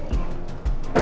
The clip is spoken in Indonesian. mbak elsa apa yang terjadi